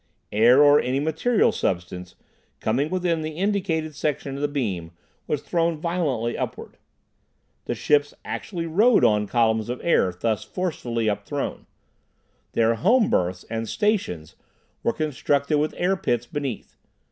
Air or any material substance, coming within the indicated section of the beam, was thrown violently upward. The ships actually rode on columns of air thus forcefully up thrown. Their "home berths" and "stations" were constructed with air pits beneath.